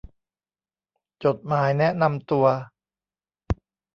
จดหมายแนะนำตัว